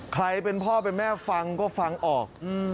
ใครเป็นพ่อเป็นแม่ฟังก็ฟังออก